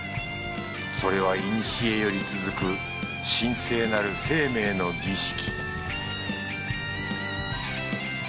それはいにしえより続く神聖なる生命の儀式